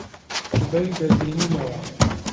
سبەی دەتبینینەوە.